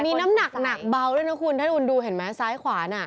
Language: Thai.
มีน้ำหนักหนักเบาด้วยนะคุณถ้าคุณดูเห็นไหมซ้ายขวาน่ะ